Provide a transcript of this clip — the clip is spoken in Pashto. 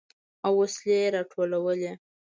او وسلې يې راټولولې.